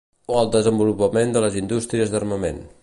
O el desenvolupament de les indústries d'armament.